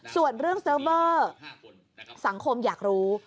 ส่วนเรื่องเซิร์ฟเวอร์สังคมอยากรู้